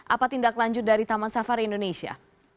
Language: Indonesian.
apa tindak lanjut dari taman safari indonesia